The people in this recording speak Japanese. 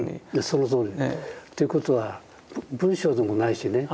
そのとおり。ということは文章でもないしね。